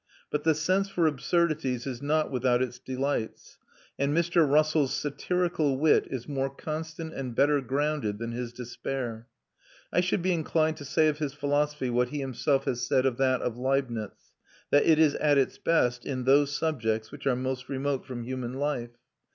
But the sense for absurdities is not without its delights, and Mr. Russell's satirical wit is more constant and better grounded than his despair. I should be inclined to say of his philosophy what he himself has said of that of Leibnitz, that it is at its best in those subjects which are most remote from human life.